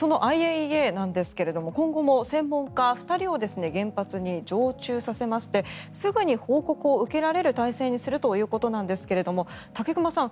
そのＩＡＥＡなんですが今後も専門家２人を原発に常駐させましてすぐに報告を受けられる体制にするということなんですが武隈さん